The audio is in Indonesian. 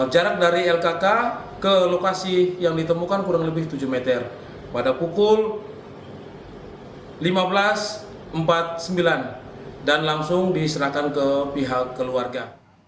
jarak dari lkk ke lokasi yang ditemukan kurang lebih tujuh meter pada pukul lima belas empat puluh sembilan dan langsung diserahkan ke pihak keluarga